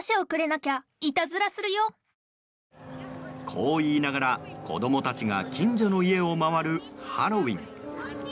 こう言いながら、子供たちが近所の家を回るハロウィーン。